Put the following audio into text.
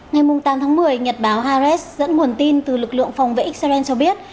ngày tám tháng một mươi nhật báo harres dẫn nguồn tin từ lực lượng phòng vệ israel cho biết